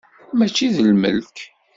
Mačči d lmelk.